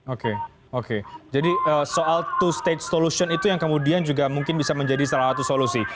oke oke jadi soal to state solution itu yang kemudian juga mungkin bisa menjadi salah satu solusi